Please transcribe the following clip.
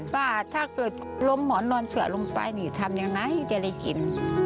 ว่าถ้าเกิดล้มหมอนนอนเสือลงไปนี่ทำยังไงจะได้กิน